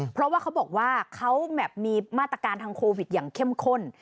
เพราะว่าเขาบอกว่าเขามีมาตรการทางโควิดอย่างเข้มข้น